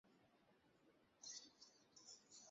শৈল কহিল, ভালো আছে।